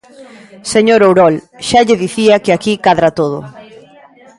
Señor Ourol, xa lle dicía que aquí cadra todo.